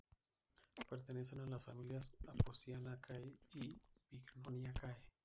Pertenecen a las familias Apocynaceae y Bignoniaceae.